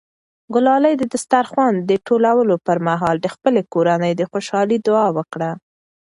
ګلالۍ د دسترخوان د ټولولو پر مهال د خپلې کورنۍ د خوشحالۍ دعا وکړه.